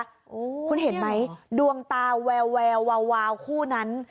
คุณเห็นไหมดวงตาแววแวววาวคู่นั้น